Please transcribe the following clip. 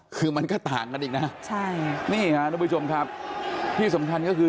คือมันก็ต่างกันอีกนะใช่นี่ฮะทุกผู้ชมครับที่สำคัญก็คือ